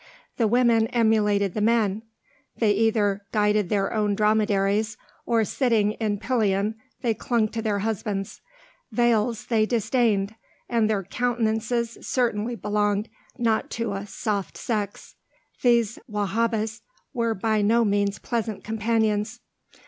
The women emulated the men; they either guided their own dromedaries, or sitting in pillion, they clung to their husbands; veils they disdained, and their countenances certainly belonged not to a "soft sex." These Wahhabis were by no means pleasant companions.